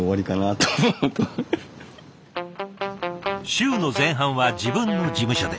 週の前半は自分の事務所で。